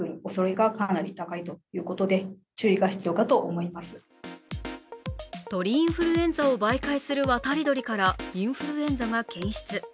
そんな中鳥インフルエンザを媒介する渡り鳥からインフルエンザが検出。